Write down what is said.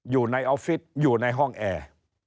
อยู่ในออฟฟิศอยู่ในห้องแอร์